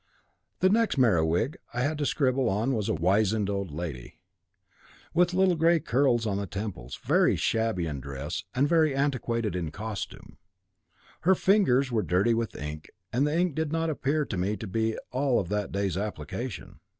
The next Merewig I had to scribble on was a wizen old lady, with little grey curls on the temples, very shabby in dress, and very antiquated in costume. Her fingers were dirty with ink, and the ink did not appear to me to be all of that day's application.